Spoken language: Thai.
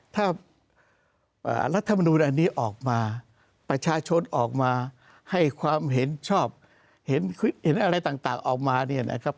ถ้ารัฐมนูลอันนี้ออกมาประชาชนออกมาให้ความเห็นชอบเห็นอะไรต่างออกมาเนี่ยนะครับ